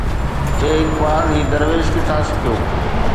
اي اقبال هي درويش ڪٿان سکيو؟